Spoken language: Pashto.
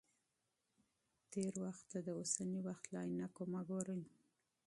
ماضي ته د اوسني وخت له عینکو مه ګورئ.